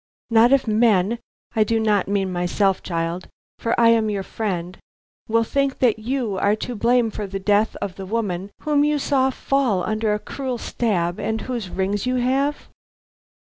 Not if men I do not mean myself, child, for I am your friend will think that you are to blame for the death of the woman whom you saw fall under a cruel stab, and whose rings you have?"